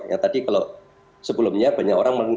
yang tadi kalau sebelumnya banyak orang